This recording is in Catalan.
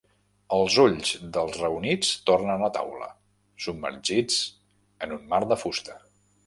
Els ulls dels reunits tornen a taula, submergits en un mar de fusta.